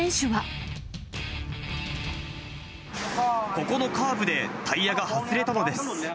ここのカーブでタイヤが外れたのです。